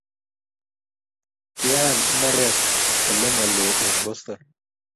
kial imbaret ole malo eng Boston